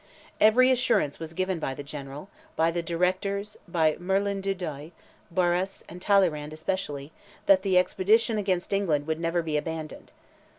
Every assurance was given by the General, by the Directors, by Merlin du Douai, Barras, and Talleyrand especially, that the expedition against England would never be abandoned.